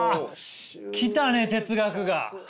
来たね哲学が！